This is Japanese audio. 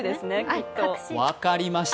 分かりました、